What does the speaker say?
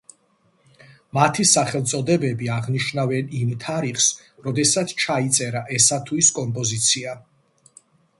მათი სახელწოდებები აღნიშნავენ იმ თარიღს, როდესაც ჩაიწერა ესა თუ ის კომპოზიცია.